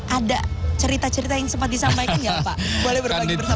ada cerita cerita yang sempat disampaikan ya pak